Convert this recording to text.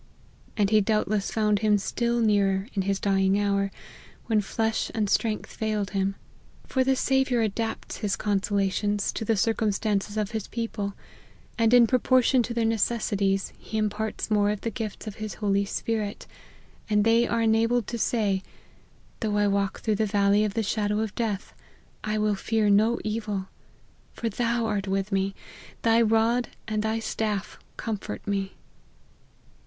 And he doubtless found Him still nearer in his dying hour, when flesh and strength failed him ; for the Saviour adapts his consolations to the cir LIFE OF HENRY MARTYN. 193 cumstances of his people, and in proportion to their necessities, he imparts more of the gifts of his Holy Spirit, and they are enabled to say, " Though I walk through the valley of the shadow of death, I will fear no evil : for Thou art with me ; thy rod and thy staff comfort me."